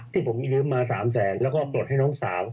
ที่ผมยืมมา๓แสนแล้วก็ปลดให้น้องสาว